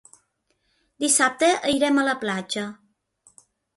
Dissabte irem a la platja.